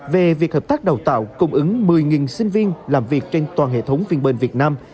về việc hợp tác đào tạo cung ứng một mươi sinh viên làm việc trên toàn hệ thống finbourne việt nam